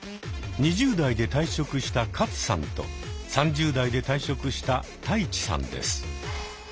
２０代で退職したカツさんと３０代で退職したタイチさんです。